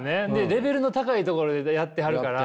レベルの高いところでやってはるから。